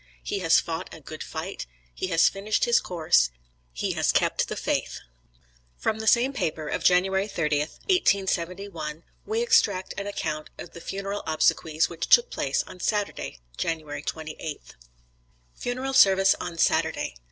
He has fought a good fight, he has finished his course, he has kept the faith. From the same paper, of January 30th, 1871, we extract an account of the funeral obsequies which took place on Saturday, January 28th. FUNERAL SERVICE ON SATURDAY.